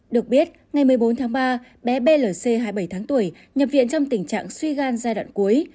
được biết ngày một mươi bốn tháng ba bé blc hai mươi bảy tháng tuổi nhập viện trong tình trạng suy gan giai đoạn cuối